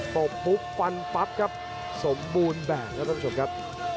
บปุ๊บฟันปั๊บครับสมบูรณ์แบบครับท่านผู้ชมครับ